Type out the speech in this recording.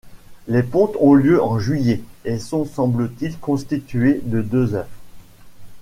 Les pontes ont lieu en juillet, et sont semble-t-il constituées de deux œufs.